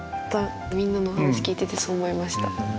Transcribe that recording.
みんなの話聞いててそう思いました。